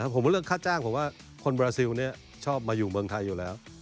ผมว่าเรื่องค่าจ้างผมว่าคนบราซิลชอบมาอยู่เมืองไทยอยู่แล้ว